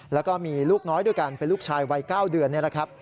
แล้วก็มีลูกน้อยด้วยกันเป็นลูกชายวัย๙เดือน